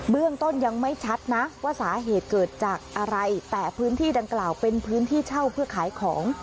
เรื่องต้นยังไม่ชัดนะว่าสาเหตุเกิดจากอะไรแต่พื้นที่ดังกล่าวเป็นพื้นที่เช่าเพื่อขายของ